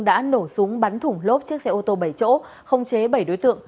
đã nổ súng bắn thủng lốp chiếc xe ô tô bảy chỗ không chế bảy đối tượng